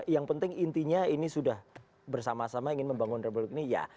yang penting intinya ini sudah bersama sama ingin membangun republik ini ya